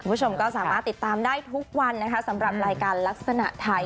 คุณผู้ชมก็สามารถติดตามได้ทุกวันนะคะสำหรับรายการลักษณะไทย